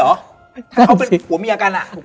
ถ้าเขาเป็นผัวเมียกัน